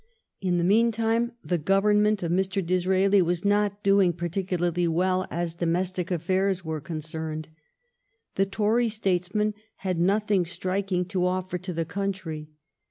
In the meantime the Government of Mr. Disraeli 324 f^ M ACHILLES RECALLED 325 was not doing particularly well so far as domestic affairs were concerned. The Tory statesman had nothing striking to offer to the country.